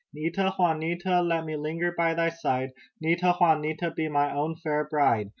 Nita! Juanita! Let me linger by thy side. Nita! Juanita! Be my own fair bride."